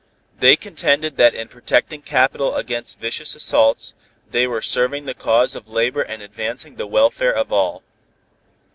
They contended that in protecting capital against vicious assaults, they were serving the cause of labor and advancing the welfare of all.